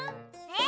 え？